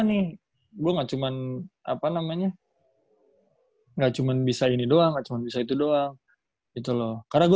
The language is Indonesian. nih gua enggak cuman apa namanya enggak cuman bisa ini doang bisa itu doang itu loh karena